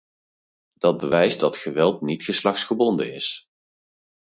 Dat bewijst dat geweld niet geslachtsgebonden is.